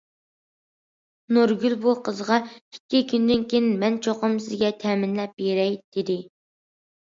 نۇرگۈل بۇ قىزغا‹‹ ئىككى كۈندىن كېيىن مەن چوقۇم سىزگە تەمىنلەپ بېرەي›› دېدى.